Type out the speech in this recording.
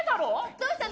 どうしたの？